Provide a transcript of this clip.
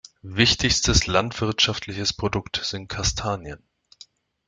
Wichtigstes landwirtschaftliches Produkt sind Kastanien.